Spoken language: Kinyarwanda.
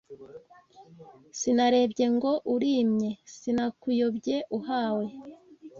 Sinarebye ngo urimye Sinakuyobye uhawe